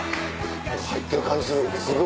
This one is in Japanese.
入ってる感じするすごい。